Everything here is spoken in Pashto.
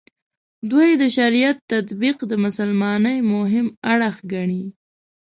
دوی د شریعت تطبیق د مسلمانۍ مهم اړخ ګڼي.